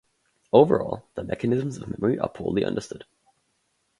Overall, the mechanisms of memory are poorly understood.